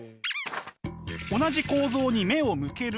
「同じ構造に目を向ける」。